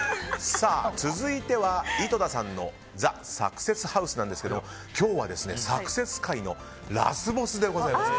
続いては、井戸田さんのＴＨＥサクセスハウスですが今日はサクセス界のラスボスでございます。